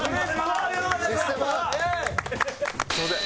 すみません。